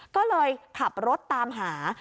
ก็เลยขับรถตามหา